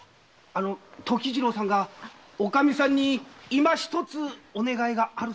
⁉時次郎さんがおかみさんにいま一つお願いがあるそうで。